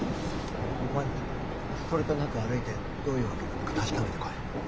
お前それとなく歩いてどういうわけなのか確かめてこい。